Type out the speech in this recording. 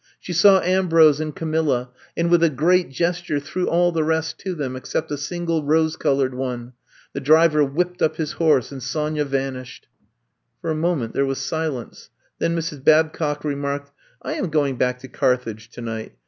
She saw Ambrose and Camilla, and with a great gesture threw all the rest to them, except a single rose colored one. The driver whipped up his horse and Sonya vanished. For a moment there was silence, then Mrs. Babcock remarked: I am going back to Carthage tonight.